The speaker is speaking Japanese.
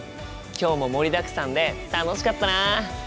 今日も盛りだくさんで楽しかったな！